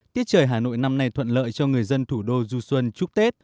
tiết trời hà nội năm nay thuận lợi cho người dân thủ đô du xuân chúc tết